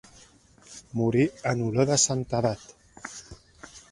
Morir en olor de santedat.